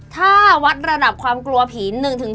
ถ้าวัดระดับความกลัวผี๑๓